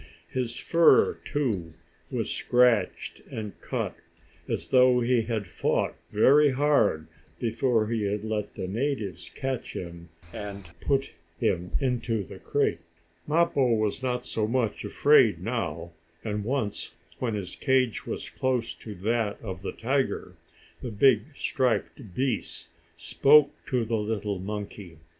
His fur, too, was scratched and cut, as though he had fought very hard, before he had let the natives catch him and put him into the crate. Mappo was not so much afraid now, and once, when his cage was close to that of the tiger, the big, striped beast spoke to the little monkey.